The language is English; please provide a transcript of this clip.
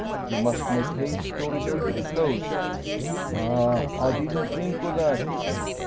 You must make haste, or it will be closed." "Ah! I didn't think o' that.